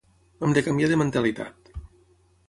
Hem de canviar de mentalitat.